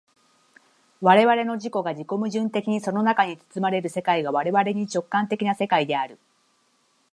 我々の自己が自己矛盾的にその中に包まれる世界が我々に直観的な世界である。